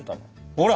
ほら！